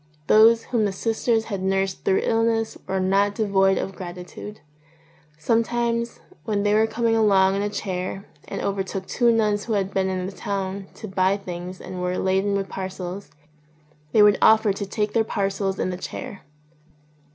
Those whom the sisters had nursed through illness were not devoid of gratitude. Sometimes when they were coming along in a chair and overtook two nuns who had been in the town to buy things and were laden with parcels, they would offer to take their parcels in the chair.